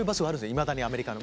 いまだにアメリカの。